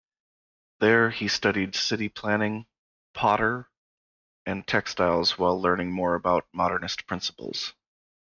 There, he studied city planning, potter, and textiles while learning more about Modernist principles.